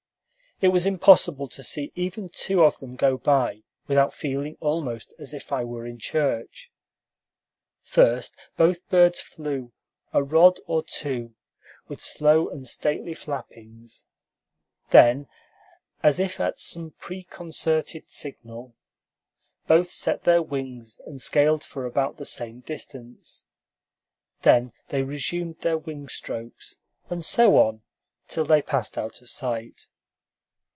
It was impossible to see even two of them go by without feeling almost as if I were in church. First, both birds flew a rod or two with slow and stately flappings; then, as if at some preconcerted signal, both set their wings and scaled for about the same distance; then they resumed their wing strokes; and so on, till they passed out of sight.